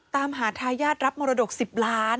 ตามหาทายาทรับมรดก๑๐ล้าน